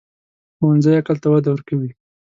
ښوونځی عقل ته وده ورکوي